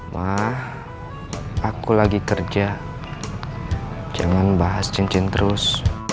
wah aku lagi kerja jangan bahas cincin terus